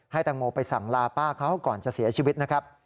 แตงโมไปสั่งลาป้าเขาก่อนจะเสียชีวิตนะครับ